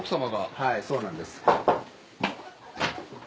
はいそうなんです。